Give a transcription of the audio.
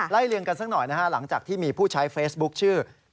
เลี่ยงกันสักหน่อยนะฮะหลังจากที่มีผู้ใช้เฟซบุ๊คชื่อ